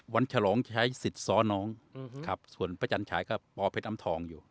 ฉลองใช้สิทธิ์ซ้อนองครับส่วนพระจันฉายก็ปเพชรอำทองอยู่